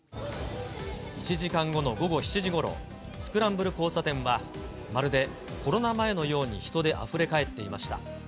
１時間後の午後７時ごろ、スクランブル交差点は、まるでコロナ前のように人であふれ返っていました。